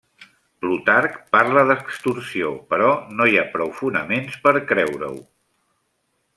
Plutarc parla d'extorsió, però no hi ha prou fonaments per creure-ho.